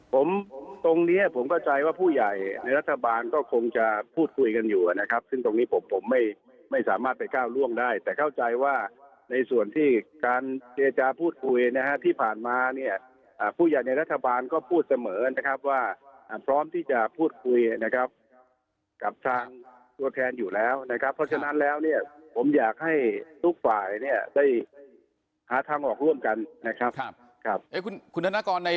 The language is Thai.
ผมตรงเนี้ยผมเข้าใจว่าผู้ใหญ่ในรัฐบาลก็คงจะพูดคุยกันอยู่นะครับซึ่งตรงนี้ผมผมไม่ไม่สามารถไปก้าวล่วงได้แต่เข้าใจว่าในส่วนที่การเจรจาพูดคุยนะฮะที่ผ่านมาเนี่ยผู้ใหญ่ในรัฐบาลก็พูดเสมอนะครับว่าพร้อมที่จะพูดคุยนะครับกับทางตัวแทนอยู่แล้วนะครับเพราะฉะนั้นแล้วเนี่ยผมอยากให้ทุกฝ่ายเนี่ยได้หาทางออกร่วมกันนะครับ